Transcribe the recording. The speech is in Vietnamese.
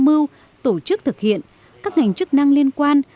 mưu tổ chức thực hiện các ngành chức năng liên quan